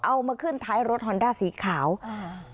เอามาขึ้นท้ายรถฮอนด้าสีขาวอ่า